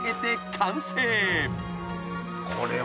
これは。